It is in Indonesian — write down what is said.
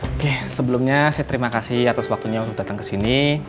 oke sebelumnya saya terima kasih atas waktunya untuk datang ke sini